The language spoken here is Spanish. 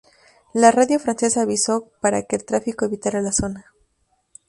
La radio francesa avisó para que el tráfico evitara la zona.